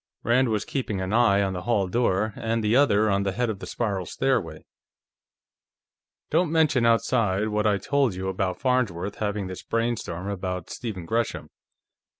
Rand was keeping one eye on the hall door and the other on the head of the spiral stairway. "Don't mention outside what I told you about Farnsworth having this brainstorm about Stephen Gresham.